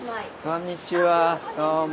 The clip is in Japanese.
こんにちは。